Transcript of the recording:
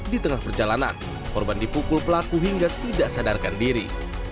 di tengah perjalanan korban dipukul pelaku hingga tidak sadarkan diri